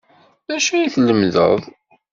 D acu ay tlemmdeḍ?